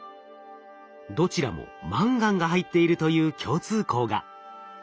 どちらもマンガンが入っているという共通項が。